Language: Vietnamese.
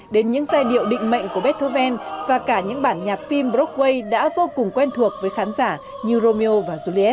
đến những giai điệu định mệnh của beethoven và cả những bản nhạc phim broaguay đã vô cùng quen thuộc với khán giả như romeo và zulit